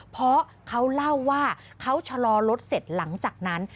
เพราะเขาเล่าว่าเขาชะลอรถเสร็จหลังจากนั้น